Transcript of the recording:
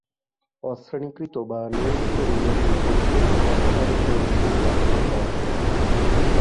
অশ্রেণীকৃত বা নিয়মিত ঋণের বিপরীতে কত হারে প্রভিশন রাখতে হয়?